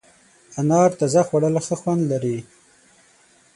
انار تازه خوړل ښه خوند لري.